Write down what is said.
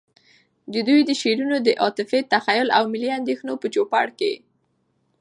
د دوی د شعرونو د عاطفی، تخیّل، او ملی اندیښنو په چو پړ کي